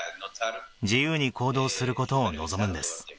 自由に行動することを望むんです。